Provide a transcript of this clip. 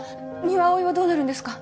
三輪碧はどうなるんですか？